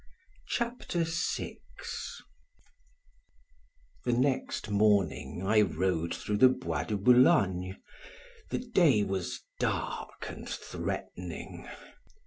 CHAPTER VI THE next morning I rode through the Bois de Boulogne; the day was dark and threatening.